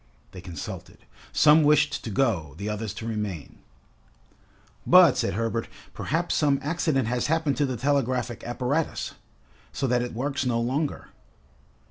They consulted. Some wished to go, the others to remain. "But," said Herbert, "perhaps some accident has happened to the telegraphic apparatus, so that it works no longer?"